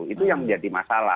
itu yang menjadi masalah